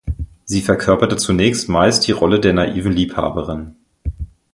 Sie verkörperte zunächst meist die Rolle der naiven Liebhaberin.